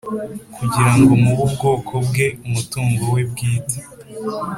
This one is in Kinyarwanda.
kugira ngo mube ubwoko bwe, umutungo we bwite.